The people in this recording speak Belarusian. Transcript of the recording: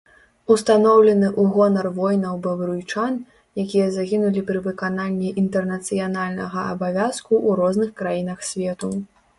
Устаноўлены ў гонар воінаў-бабруйчан, якія загінулі пры выкананні інтэрнацыянальнага абавязку ў розных краінах свету.